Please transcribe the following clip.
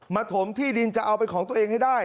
ถมที่ดินจะเอาเป็นของตัวเองให้ได้